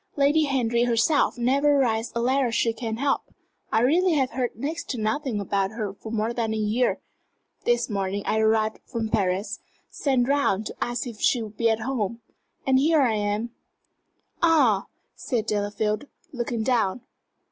Lady Henry herself never writes a letter she can help. I really have heard next to nothing about her for more than a year. This morning I arrived from Paris sent round to ask if she would be at home and here I am." "Ah!" said Delafield, looking down.